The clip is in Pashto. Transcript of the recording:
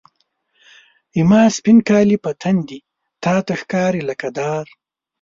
زما سپین کالي په تن دي، تا ته ښکاري لکه داره